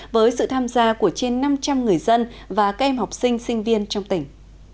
với sự tham gia của trên năm trăm linh người dân và các em học sinh sinh viên trong tỉnh